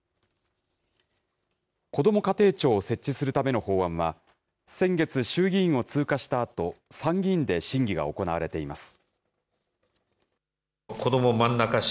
こども家庭庁を設置するための法案は、先月、衆議院を通過したあと、参議院で審議が行われています。